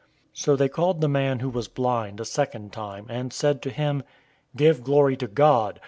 009:024 So they called the man who was blind a second time, and said to him, "Give glory to God.